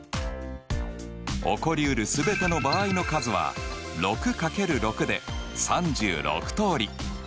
起こりうる全ての場合の数は６掛ける６で３６通り。